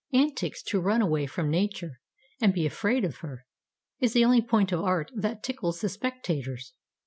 antics to run away from nature, and be afraid of her, is the only point of art that tickles the spectators